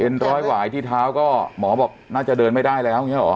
ร้อยหวายที่เท้าก็หมอบอกน่าจะเดินไม่ได้แล้วอย่างนี้หรอ